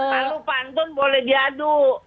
palu pantun boleh diadu